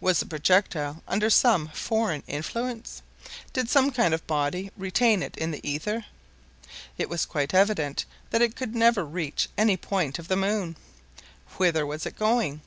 Was the projectile under some foreign influence? Did some kind of body retain it in the ether? It was quite evident that it could never reach any point of the moon. Whither was it going?